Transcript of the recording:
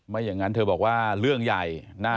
อย่างนั้นเธอบอกว่าเรื่องใหญ่